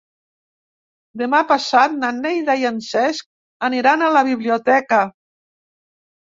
Demà passat na Neida i en Cesc aniran a la biblioteca.